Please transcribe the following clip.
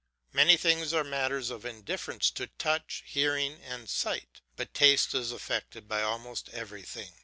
Many things are matters of indifference to touch, hearing, and sight; but taste is affected by almost everything.